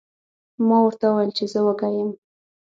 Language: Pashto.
ما ورته وویل چې زه وږی یم.